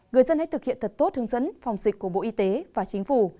người dân hãy thực hiện thật tốt hướng dẫn phòng dịch của bộ y tế và chính phủ